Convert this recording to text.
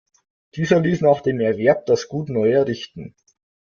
Dieser ließ nach dem Erwerb das Gut neu errichten.